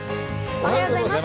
おはようございます。